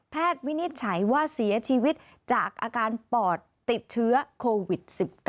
วินิจฉัยว่าเสียชีวิตจากอาการปอดติดเชื้อโควิด๑๙